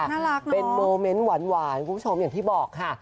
น่ารักนะเป็นโมเมนต์หวานคุณผู้ชมอย่างที่บอกค่ะ